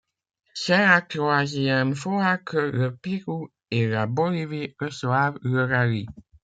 C'est la troisième fois que le Pérou et la Bolivie reçoivent le rallye.